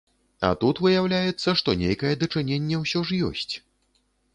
А тут выяўляецца, што нейкае дачыненне ўсё ж ёсць.